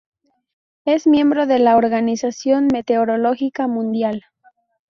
Es miembro de la Organización Meteorológica Mundial.